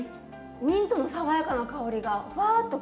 ミントの爽やかな香りがふわっときますね。